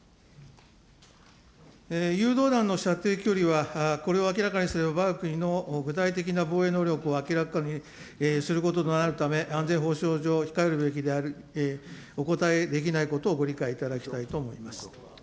誘導弾の射程距離は、これを明らかにするのはわが国の具体的な防衛能力を明らかにすることとなるため、安全保障上、控えるべきであり、お答えできないことをご理解いただきたいと思います。